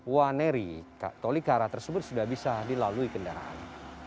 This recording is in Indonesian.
waneri tolikara tersebut sudah bisa dilalui kendaraan